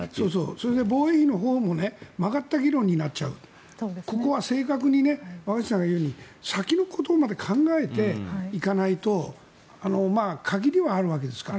それで防衛費のほうも曲がった議論になるここは若新さんが言うように先のことまで考えないと限りがあるわけですから。